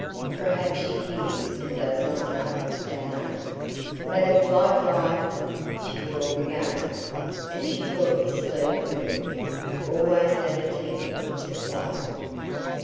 "Perhaps she hears and does not know that name. Madame Fly Fly?" she called again, and she thought the sleeve moved always that attempt to fly.